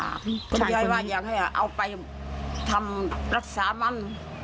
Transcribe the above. ผมก็ว่าอยากเอาไปทำรักษามัน